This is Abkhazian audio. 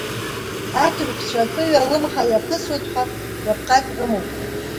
Аҭырқәцәа атәыҩа алымҳа иаԥасуеит ҳәа жәаԥҟак рымоуп.